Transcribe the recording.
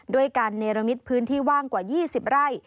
ด้วยการเนรมิตพื้นที่ว่างกว่า๒๐ไร่